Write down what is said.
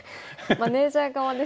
マネージャー側ですか。